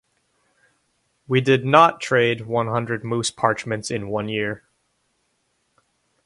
We did not trade one hundred moose parchments in one year.